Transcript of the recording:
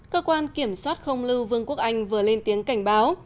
cơ quan kiểm soát không lưu vương quốc anh vừa lên tiếng cảnh báo